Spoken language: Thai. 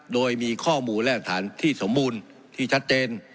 โดยมีข้อมูลและฐานที่สมบูรณ์ที่ชัดเจน